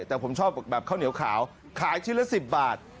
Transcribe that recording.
แต่ผมชอบแบบข้าวเหนียวขาวขายชิ้นละ๑๐บาท